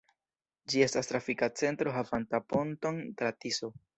Ĝi estas trafika centro havanta ponton tra Tiso.